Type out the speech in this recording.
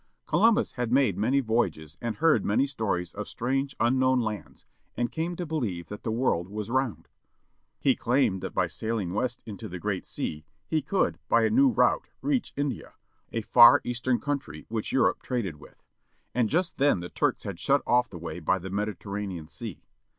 Columbus had made many voyages and heard many stories of strange unknown lands and came to believe that the world was round. He claimed that by sailing west into the great sea he could, by a new route, reach India, a far eastern country which Europe traded with. And just then the Turks had shut off the way by the Mediterranean Sea.